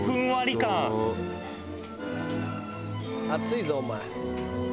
「熱いぞお前」